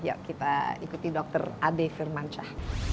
ya kita ikuti dokter ade firman shah